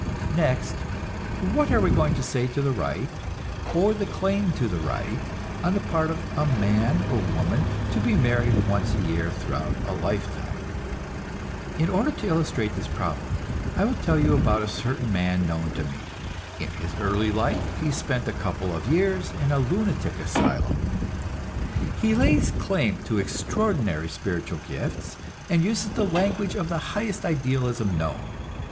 Next, what are we going to say to the right, or the claim to the right, on the part of a man or woman, to be married once a year throughout a lifetime? In order to illustrate this problem, I will tell you about a certain man known to me. In his early life he spent a couple of years in a lunatic asylum. He lays claim to extraordinary spiritual gifts, and uses the language of the highest idealism known.